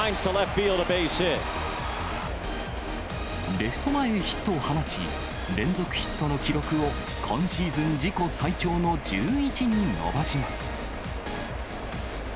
レフト前へヒットを放ち、連続ヒットの記録を、今シーズン自己最長の１１に伸ばします。